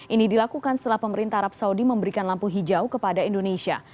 ini dilakukan setelah pemerintah arab saudi memberikan lampu hijau kepada indonesia